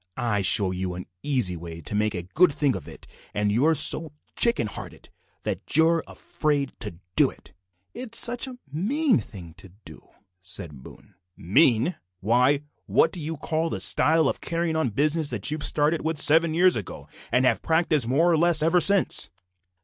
I show you an easy way to make a good thing of it, and you're so chicken hearted that you're afraid to do it." "It's such a mean thing to do," said Boone. "Mean! Why, what do you call the style of carrying on business that you started with seven years ago, and have practised more or less ever since?"